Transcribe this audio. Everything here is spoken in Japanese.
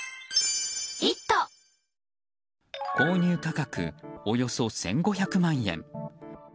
購入価格およそ１５００万円。